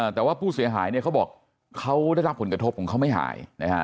แต่ว่าผู้เสียหายเขาบอกเขาได้รับผลกระทบของเขาไม่หาย